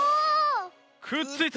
くっついた。